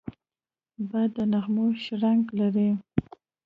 باد د نغمو شرنګ لري